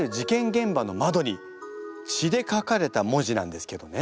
現場の窓に血で書かれた文字なんですけどね。